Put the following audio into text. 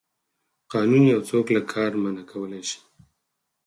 قانون یو څوک له کار منع کولی شي.